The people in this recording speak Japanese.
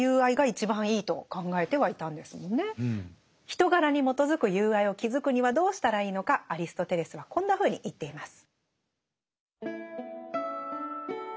人柄に基づく友愛を築くにはどうしたらいいのかアリストテレスはこんなふうに言っています。